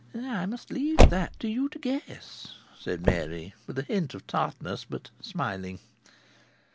"I must leave that to you to guess," said Mary, with a hint of tartness, but smiling.